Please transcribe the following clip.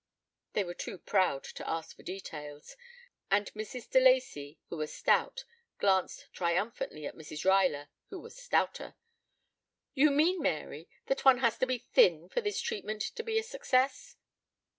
They were too proud to ask for details, and Mrs. de Lacey, who was stout, glanced triumphantly at Mrs. Ruyler, who was stouter. "You mean, Mary, that one has to be thin for this treatment to be a success?"